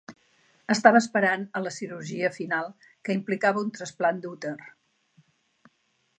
Estava esperant a la cirurgia final que implicava un trasplant d'úter.